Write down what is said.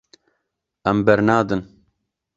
Em bernadin.